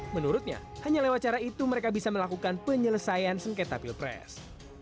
menurutnya hanya lewat cara itu mereka bisa melakukan penyelesaian sengketa pilpres